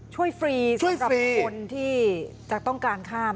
ฟรีสำหรับคนที่จะต้องการข้าม